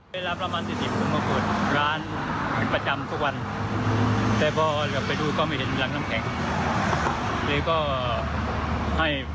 ทำจอด๑ใบละ